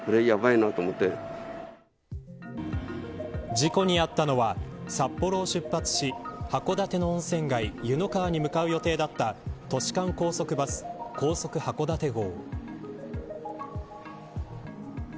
事故に遭ったのは札幌を出発し函館の温泉街湯の川に向かう予定だった都市間高速バス高速はこだて号。